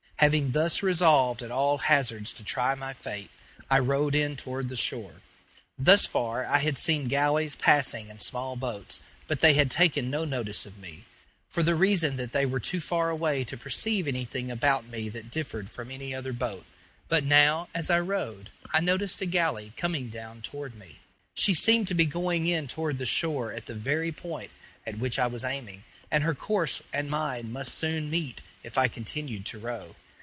Having thus resolved at all hazards to try my fate, I rowed in toward the shore. Thus far I had seen galleys passing and small boats, but they had taken no notice of me, for the reason that they were too far away to perceive anything about me that differed from any other boat; but now, as I rowed, I noticed a galley coming down toward me. She seemed to be going in toward the shore at the very point at which I was aiming, and her course and mine must soon meet if I continued to row.